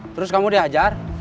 terus kamu dihajar